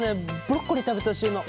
ブロッコリー食べてほしいの。